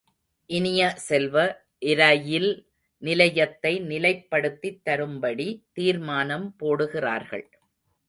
இனிய செல்வ, இரயில் நிலையத்தை நிலைப்படுத்தித் தரும்படி தீர்மானம் போடுகிறார்கள்.